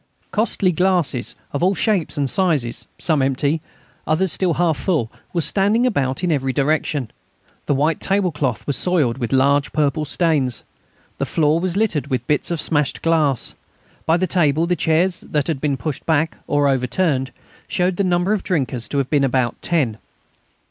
Costly glasses of all shapes and sizes, some empty, others still half full, were standing about in every direction. The white tablecloth was soiled with large purple stains. The floor was littered with bits of smashed glass. By the table, the chairs that had been pushed back or overturned showed the number of drinkers to have been about ten.